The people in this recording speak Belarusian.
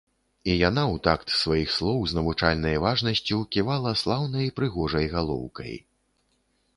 І яна ў такт сваіх слоў з навучальнай важнасцю ківала слаўнай прыгожай галоўкай.